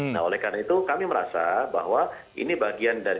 nah oleh karena itu kami merasa bahwa ini bagian dari